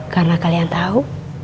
karena kalian tahu